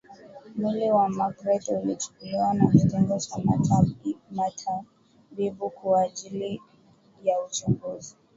Mwili wa Magreth ulichukuliwa na kitengo cha matab ibu kwaajili ya uchunguzi